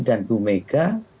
dan bu mega